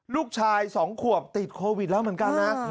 ลูกชาย๒ขวบติดโควิดแล้วเหมือนกันนะ